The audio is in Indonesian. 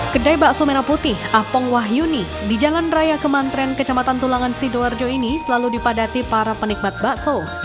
kedai bakso merah putih apong wahyuni di jalan raya kemantren kecamatan tulangan sidoarjo ini selalu dipadati para penikmat bakso